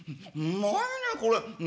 うまいねこれ。